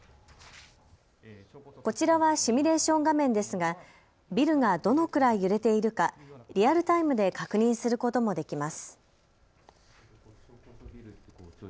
こちらはシミュレーション画面ですがビルがどのくらい揺れているかリアルタイムで確認することもできます。